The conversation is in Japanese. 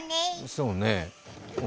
そうね